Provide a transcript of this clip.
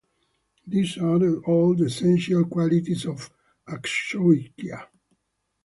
These are all the essential qualities of Akshobhya.